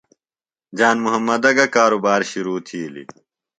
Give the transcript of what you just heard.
جان محمدہ گہ کاروبار شرو تِھیلیۡ؟